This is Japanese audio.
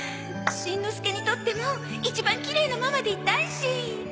しんのすけにとっても一番きれいなママでいたいし。